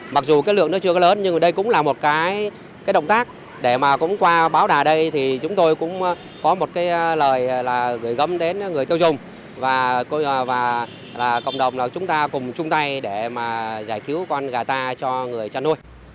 mặc dù lượng chưa lớn nhưng đây cũng là một động tác để qua báo đà đây thì chúng tôi cũng có một lời gửi gấm đến người tiêu dùng và cộng đồng chúng ta cùng chung tay để giải cứu con gà ta cho người chăn nuôi